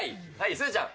すずちゃん。